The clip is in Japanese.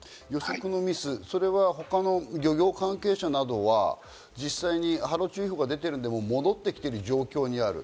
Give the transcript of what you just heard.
それは他の漁業関係者などは実際に波浪注意報が出ているので戻ってきている状況にある。